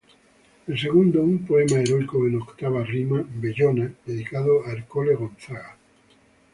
El segundo, un poema heroico en "octava rima": "Bellona", dedicado a Ercole Gonzaga.